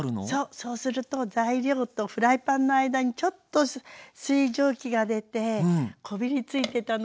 そうすると材料とフライパンの間にちょっと水蒸気が出てこびりついてたのがね